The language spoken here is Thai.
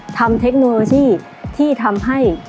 เทคโนโลยีที่ทำให้